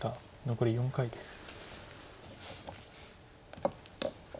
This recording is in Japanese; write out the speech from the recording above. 残り４回です。